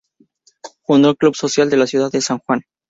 Fundó el club social de la ciudad de San Juan.